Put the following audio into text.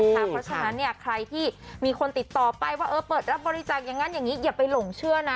เพราะฉะนั้นเนี่ยใครที่มีคนติดต่อไปว่าเปิดรับบริจาคอย่างนั้นอย่างนี้อย่าไปหลงเชื่อนะ